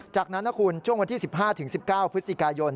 จากนั้นนะคุณช่วงวันที่๑๕๑๙พฤศจิกายน